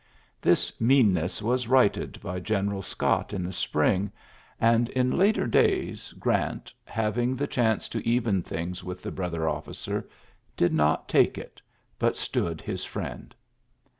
This mean ness was righted by General Scott in the spring ; and in later days Grant^ having the chance to even things with the brother officer, did not take it, but stood his friend.